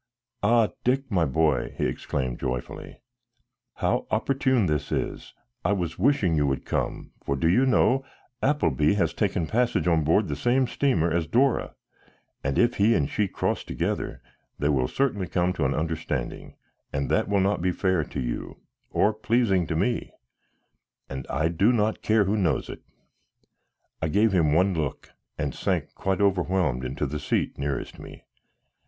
"Ah, Dick, my boy," he exclaimed joyfully, "how opportune this is! I was wishing you would come, for, do you know, Appleby has taken passage on board the same steamer as Dora, and if he and she cross together, they will certainly come to an understanding, and that will not be fair to you, or pleasing to me; and I do not care who knows it!" I gave him one look and sank, quite overwhelmed, into the seat nearest me.